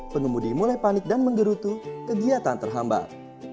pengemudi mulai panik dan menggerutu kegiatan terhambat